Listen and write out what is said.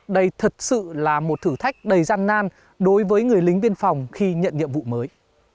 đây thật sự là một thử thách đầy gian nan đối với người lính biên phòng khi nhận nhiệm vụ mới